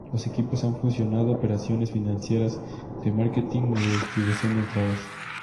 Los equipos han fusionado operaciones de financieras, de marketing y distribución de entradas.